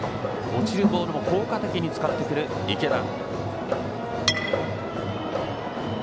落ちるボールも効果的に使ってくる池田。